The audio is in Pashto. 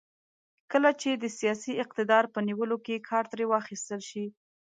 کله چې د سیاسي اقتدار په نیولو کې کار ترې واخیستل شي.